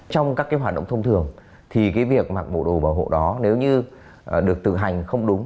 trong các cái hoạt động thông thường thì cái việc mặc bộ đồ bảo hộ đó nếu như được tự hành không đúng